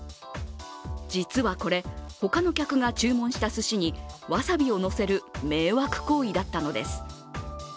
実はこれ、他の客が注文したすしにわさびをのせる迷惑行為だったのです。